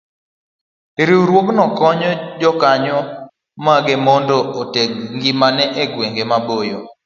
Riwruogno konyo jokanyo mage mondo oteg ngimagi e gwenge maboyo